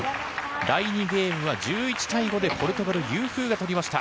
第２ゲームは１１対５でポルトガル、ユー・フーが取りました。